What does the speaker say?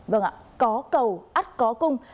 vâng ạ có cầu ắt có cung